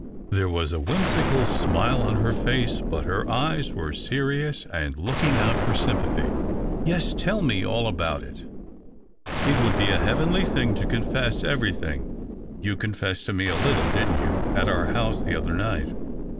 There was a whimsical smile on her face, but her eyes were serious and looking out for sympathy. "Yes ! tell me all about it." " It would l)e a heavenly thing to confess everything. You confessed to me a little, didn't you, at our house the other night